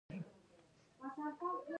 دا کار په یوه متکثره ټولنه کې ممکنه ده.